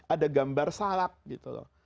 ada gambar salak gitu loh